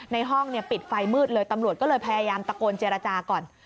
ในห้องเนี่ยปิดไฟมืดเลยตำรวจก็เลยพยายามตะโกนเจรจาก่อน